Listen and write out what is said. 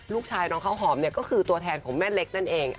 ลูกชายน้องข้าวหอมเนี่ยก็คือตัวแทนของแม่เล็กนั่นเอง